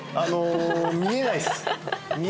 見えないです。